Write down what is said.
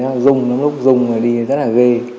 đi rất là đi nó rung lắm lúc rung là đi rất là ghê